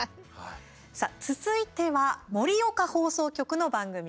続いては盛岡放送局の番組です。